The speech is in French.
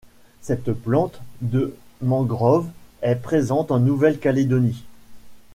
Cette plante de mangrove est présente en Nouvelle-Calédonie.